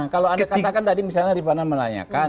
kalau anda katakan tadi misalnya riffana melayakan